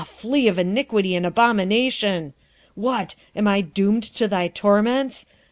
flea of iniquity and abomination! what! am I doomed to thy torments?